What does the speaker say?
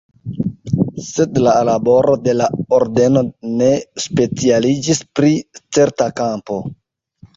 Sed la laboro de la ordeno ne specialiĝis pri certa kampo.